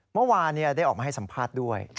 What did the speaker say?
เมื่อวานได้ออกมาให้สัมภาษณ์ด้วย